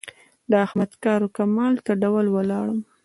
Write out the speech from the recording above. د احمد کار و کمال ته ډول ولاړم.